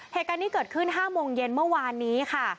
เหตุการณ์นี้เกิดขึ้น๕โมงเย็นเมื่อวานนี้ค่ะ